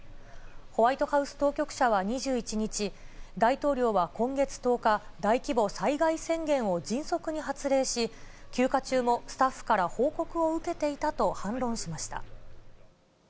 ホワイトハウス当局者は２１日、大統領は今月１０日、大規模災害宣言を迅速に発令し、休暇中もスタッフから報告を受けていたと反論しました。